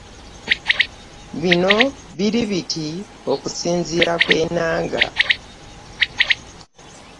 Bino biri biti Okusinziira ku Enanga